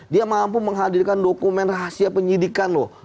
dia mampu menghadirkan dokumen rahasia penyidikan loh